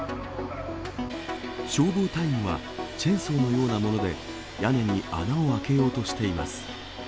消防隊員は、チェーンソーのようなもので屋根に穴を開けようとしています。